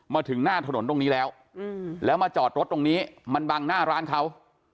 มาถึงหน้าถนนตรงนี้แล้วแล้วมาจอดรถตรงนี้มันบังหน้าร้านเขา